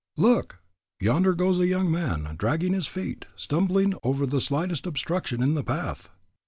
Look! yonder goes a young man, dragging his feet, stumbling over the slightest obstruction in the path.